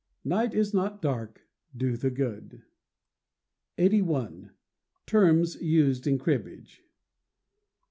[NIGHT IS NOT DARK TO THE GOOD.] 81. Terms Used in Cribbage.